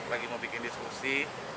lagi mau bikin diskusi